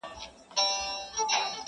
لمر کمزوری ښکاري دلته ډېر،